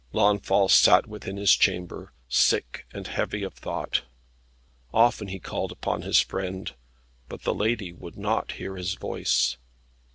Launfal sat within his chamber, sick and heavy of thought. Often he called upon his friend, but the lady would not hear his voice.